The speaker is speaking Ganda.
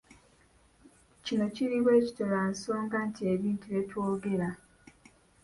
Kino kiri bwe kityo lwa nsonga nti ebintu bye twogera.